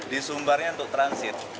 di sumbarnya untuk transit